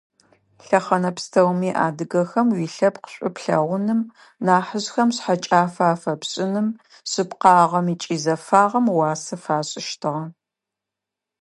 Лъэхъэнэ пстэуми адыгэхэм уилъэпкъ шӏу плъэгъуным нахьыжъхэм шъхьэкӏафэ афэпшӏыным, шъыпкъагъэм ыкӏи зэфагъэм уасэ фашӏыщтыгъэ.